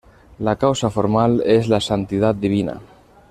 La "causa formal" es la santidad divina.